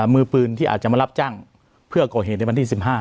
มือปืนที่อาจจะมารับจ้างเพื่อก่อเหตุในวันที่๑๕